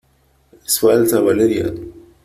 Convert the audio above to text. es falsa . Valeria .